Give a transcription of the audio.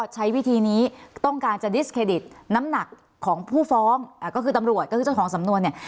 ใช้วิธีนี้ต้องการจะดิสเครดิตน้ำหนักของผู้ฟ้องก็คือตำรวจก็คือเจ้าของสำนวนเนี่ย